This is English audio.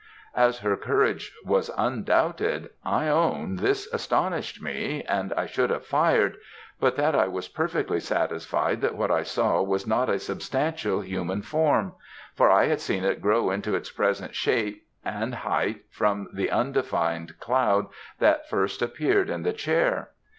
As her courage was undoubted, I own this astonished me, and I should have fired, but that I was perfectly satisfied that what I saw was not a substantial human form, for I had seen it grow into its present shape and height from the undefined cloud that first appeared in the chair.